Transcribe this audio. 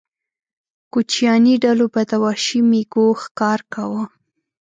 کوچیاني ډلو به د وحشي مېږو ښکار کاوه.